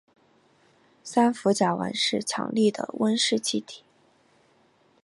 三氟甲烷是强力的温室气体。